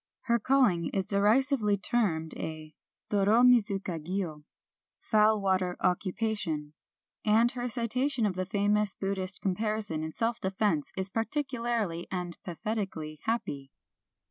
Her call ing is derisively termed a doro midzu kagyo ("foul water occupation"); and her citation of the famous Buddhist comparison in self defense is particularly, and pathetically, happy.